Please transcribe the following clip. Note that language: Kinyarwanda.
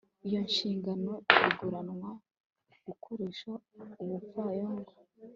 iyo nshingano iguranwa gukoresha ubupfayongo